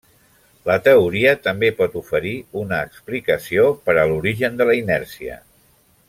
La teoria també pot oferir una explicació per a l'origen de la inèrcia.